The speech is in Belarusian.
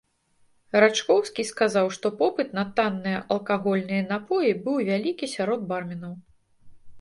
Рачкоўскі сказаў, што попыт на танныя алкагольныя напоі быў вялікі сярод барменаў.